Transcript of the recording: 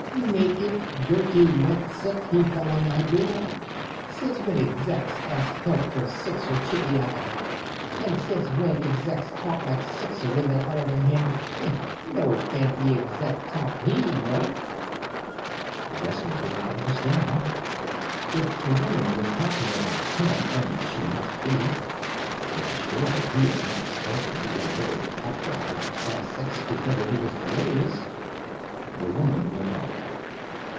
"Naked, dirty wet, sick, he fall on my door. Since when Execs ask help from Sixer chippie like I? And since when Execs talk like Sixer when they out of they head? No fancy Exec talk, he, no." The Guesser didn't understand that. If the woman was talking about him and she must be then surely he had not spoken the illiterate patois of the Class Six people when he was delirious. The woman went on.